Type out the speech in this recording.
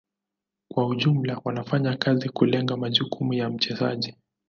Kwa ujumla wanafanya kazi kulenga majukumu ya mchezaji.